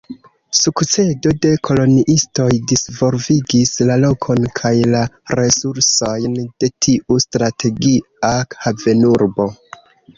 Sukcedo de koloniistoj disvolvigis la lokon kaj la resursojn de tiu strategia havenurbo.